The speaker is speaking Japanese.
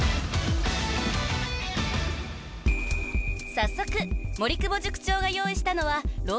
［早速森久保塾長が用意したのは］